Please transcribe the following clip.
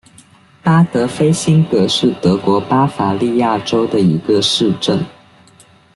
巴德菲辛格是德国巴伐利亚州的一个市镇。